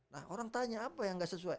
nah orang tanya apa yang nggak sesuai